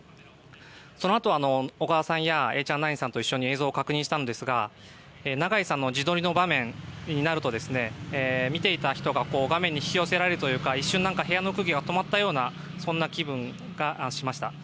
そのあと、小川さんやエーチャンナインさんと一緒に映像を確認したんですが長井さんの自撮りの場面になると見ていた人が画面に引き寄せられるというか一瞬、部屋の空気が止まったようなそんな気分がしました。